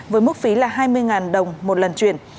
với mức phí là hai mươi ngàn đồng một lần truyền